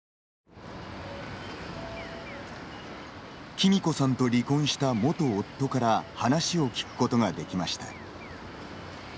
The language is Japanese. きみこさんと離婚した元夫から話を聞くことができました。